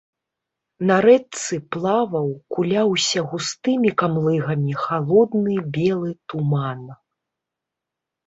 На рэчцы плаваў, куляўся густымі камлыгамі халодны белы туман.